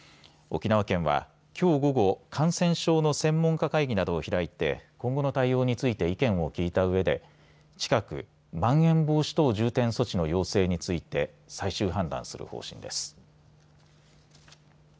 沖縄県はきょう午後、感染症の専門家会議などを開いて今後の対応について意見を聞いたうえで近く、まん延防止等重点措置の要請について最終判断する方針です。